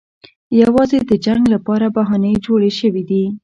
یوازې د جنګ لپاره بهانې جوړې شوې دي.